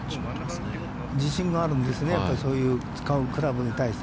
自信があるんですね、やっぱりそういう、使うクラブに対して。